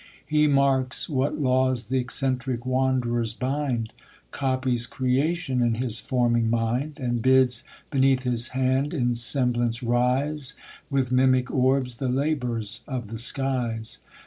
He marks what lavv^s th' eccentric wand'rers bind, Copies creation in his forming mind. And bids, beneath his hand, in semblance rise. With mimic orbs, the labours of the skies.